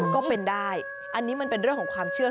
ก็เป็นได้อันนี้มันเป็นเรื่องของความเชื่อ